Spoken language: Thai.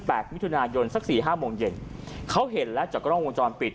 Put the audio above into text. มิถุนายนสักสี่ห้าโมงเย็นเขาเห็นแล้วจากกล้องวงจรปิด